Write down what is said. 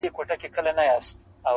په سبا به آوازه سوه په وطن کي!!